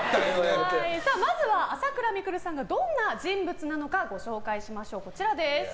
まずは朝倉未来さんがどんな人物なのかご紹介しましょう。